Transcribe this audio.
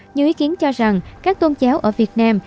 nhiều ý kiến cho rằng các tôn giáo ở việt nam